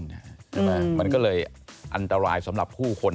ใช่ไหมมันก็เลยอันตรายสำหรับผู้คน